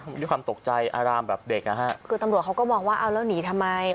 ด้วยความตกใจอารามแบบเด็กอ่ะฮะคือตำรวจเขาก็มองว่าเอาแล้วหนีทำไม